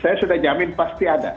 saya sudah jamin pasti ada